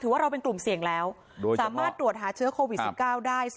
ว่าเราเป็นกลุ่มเสี่ยงแล้วสามารถตรวจหาเชื้อโควิด๑๙ได้